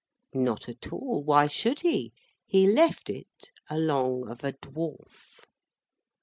Not at all; why should he? He left it, along of a Dwarf.